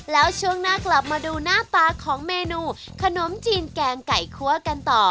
แล้วช่วงหน้ากลับมาดูหน้าตาของเมนูขนมจีนแกงไก่คั่วกันต่อ